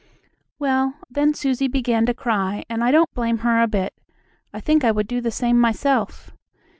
Well, then Susie began to cry, and I don't blame her a bit. I think I would do the same myself.